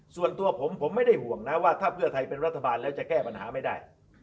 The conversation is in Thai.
ส่วนตัวผมผมไม่ได้ห่วงนะว่าถ้าเพื่อไทยเป็นรัฐบาลแล้วจะแก้ปัญหาไม่ได้